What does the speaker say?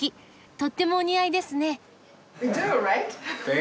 とってもお似合いですね。